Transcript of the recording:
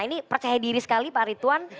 ini percaya diri sekali pak ritwan